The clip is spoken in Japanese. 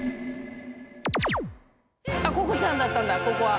ココちゃんだったんだここは。